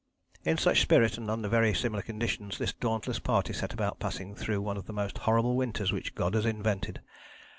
" In such spirit and under very similar conditions this dauntless party set about passing through one of the most horrible winters which God has invented.